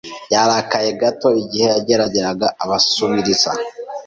Yarakaye gato igihe yegeraga abasabiriza.